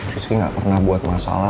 rizky enggak pernah buat masalah sementara